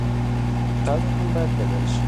تاسو هم باید بدل شئ.